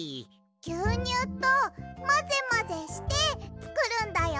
ぎゅうにゅうとまぜまぜしてつくるんだよ。